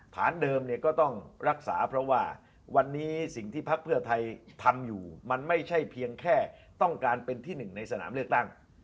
ฐานเดิมเนี่ยก็ต้องรักษาเพราะว่าวันนี้สิ่งที่พักเพื่อไทยทำอยู่มันไม่ใช่เพียงแค่ต้องการเป็นที่หนึ่งในสนามเลือกตั้ง